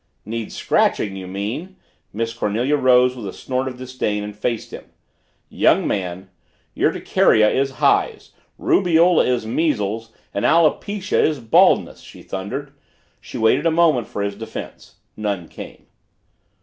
"Needs scratching you mean!" Miss Cornelia rose with a snort of disdain and faced him. "Young man, urticaria is hives, rubeola is measles, and alopecia is baldness!" she thundered. She waited a moment for his defense. None came.